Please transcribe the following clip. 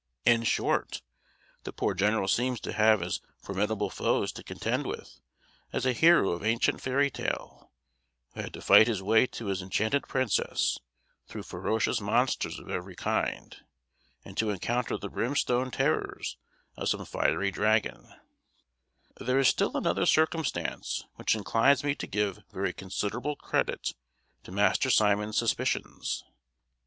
In short, the poor general seems to have as formidable foes to contend with as a hero of ancient fairy tale, who had to fight his way to his enchanted princess through ferocious monsters of every kind, and to encounter the brimstone terrors of some fiery dragon. [Illustration: Mrs. Hannah] There is still another circumstance which inclines me to give very considerable credit to Master Simon's suspicions.